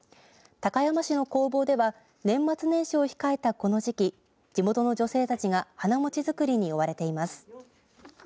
高山市の工房では年末年始を控えたこの時期地元の女性たちが花もちづくりに追われています。